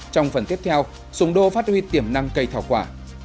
trong phần tiếp theo sùng đô phát huy tiềm năng cây thảo quả